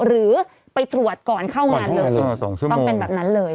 หรือไปตรวจก่อนเข้างานเลยต้องเป็นแบบนั้นเลย